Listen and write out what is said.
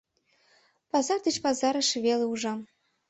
Пазар деч пазарыш веле ужам.